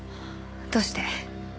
どうして？